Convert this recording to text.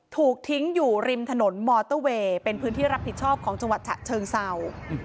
ถูกทิ้งอยู่ริมถนนมอเตอร์เวย์เป็นพื้นที่รับผิดชอบของจังหวัดฉะเชิงเศร้า